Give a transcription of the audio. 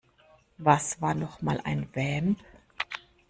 Was war nochmal ein Vamp?